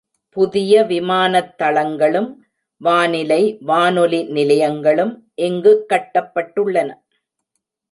புதிய விமானத் தளங்களும் வானிலை, வானொலி நிலையங்களும் இங்குக் கட்டப்பட்டுள்ளன.